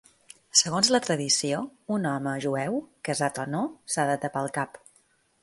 Segons la tradició, un home jueu, casat o no, s'ha de tapar el cap.